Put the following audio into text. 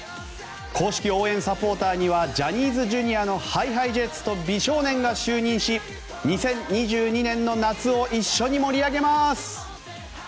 公式応援サポーターにはジャニーズＪｒ．のＨｉＨｉＪｅｔｓと美少年が就任し２０２２年の夏を一緒に盛り上げます！